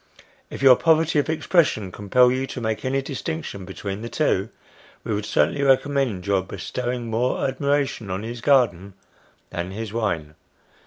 If your poverty of expression compel you to make any distinction between the two, we would certainly recommend your bestowing more admiration on his garden than his wine.